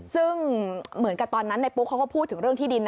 ซึ่งเหมือนกับตอนนั้นในปุ๊กเขาก็พูดถึงเรื่องที่ดิน